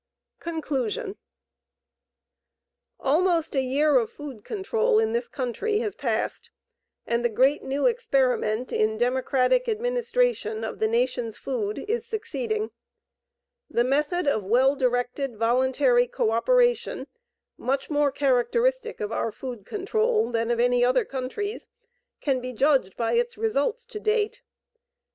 CONCLUSION Almost a year of food control in this country has passed and the great new experiment in democratic administration of the nation's food is succeeding. The method of well directed voluntary co operation, much more characteristic of our food control than of any other country's, can be judged by its results to date.